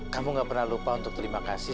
kamu gak pernah lupa untuk terima kasih